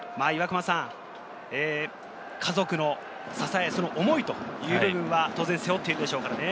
家族の支え、その思いという部分は背負っているでしょうからね。